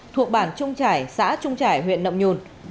thuộc bản trung trải xã trung trải huyện nậm nhùn